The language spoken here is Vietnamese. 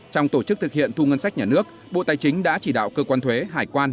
trong tổ chức thực hiện thu ngân sách nhà nước bộ tài chính đã chỉ đạo cơ quan thuế hải quan